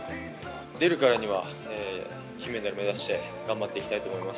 出るからには金メダル目指して頑張っていきたいと思います。